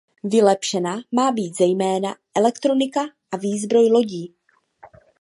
Vylepšena má být zejména elektronika a výzbroj lodí.